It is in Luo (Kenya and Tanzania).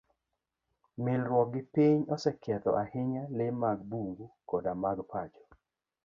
Milruok gi piny oseketho ahinya le mag bungu koda mag pacho.